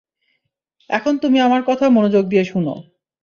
এখন তুমি আমার কথা মনোযোগ দিয়ে শুনো।